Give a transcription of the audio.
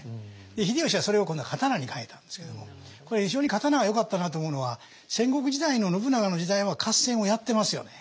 秀吉はそれを今度は刀に替えたんですけどもこれ非常に刀はよかったなと思うのは戦国時代の信長の時代は合戦をやってますよね。